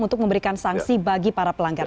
untuk memberikan sanksi bagi para pelanggar